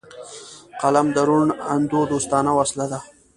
قلم د روڼ اندو دوستانه وسله ده